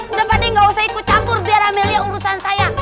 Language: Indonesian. udah pak de gak usah ikut campur biar amelie urusan saya